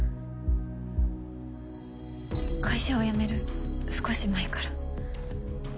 会社を辞める少し前から。